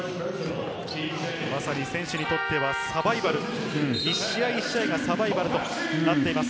まさに選手にとってはサバイバル、一試合一試合がサバイバルとなっています。